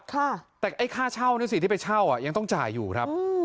แต่ไอ้ค่าเช่านี่สิที่ไปเช่าอ่ะยังต้องจ่ายอยู่ครับ